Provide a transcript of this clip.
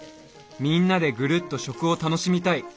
みんなでグルッと食を楽しみたい。